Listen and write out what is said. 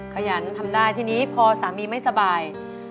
ขยันทำได้ทีนี้พอสามีไม่สบาย